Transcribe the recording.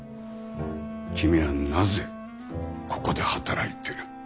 君はなぜここで働いてる。